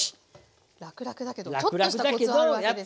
らくらくだけどちょっとしたコツはあるわけですね。